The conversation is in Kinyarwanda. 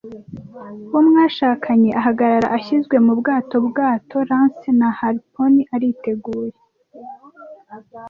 Uwo mwashakanye ahagarara ashyizwe mu bwato-bwato, lance na harponi ariteguye,